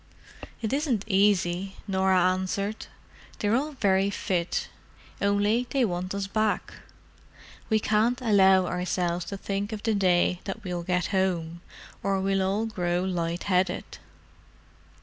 "It isn't easy," Norah answered. "They're all very fit, only they want us back. We can't allow ourselves to think of the day that we'll get home, or we all grow light headed."